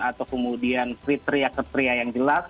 atau kemudian kriteria kriteria yang jelas